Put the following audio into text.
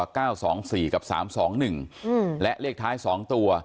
เก้าสองสี่กับสามสองหนึ่งอืมและเลขท้ายสองตัว